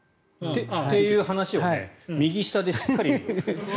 という話を右下でしっかり。